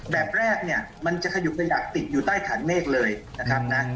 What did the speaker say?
แบบแรกมันจะขยุกใอย่ากติดอยู่ใต้ขานเมฆเลยนะครับนะ